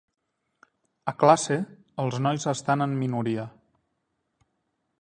A classe, els nois estan en minoria.